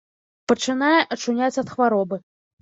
Пачынае ачуняць ад хваробы.